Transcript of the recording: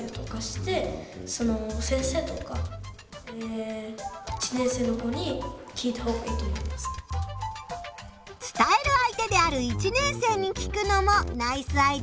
伝える相手である１年生に聞くのもナイスアイデアですね。